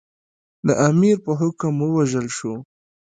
د امیر په حکم ووژل شوم.